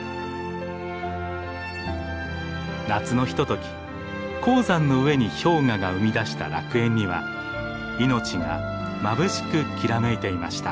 夏のひととき高山の上に氷河が生み出した楽園には命がまぶしくきらめいていました。